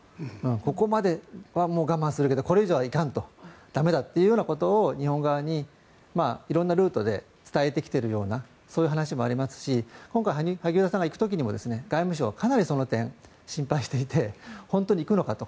ここまでは我慢するけれどこれ以上はいかんと駄目だということを日本側に色んなルートで伝えてきているようなそういう話もありますし今回、萩生田さんが行く時も外務省かなりその点、心配していて本当に行くのかと。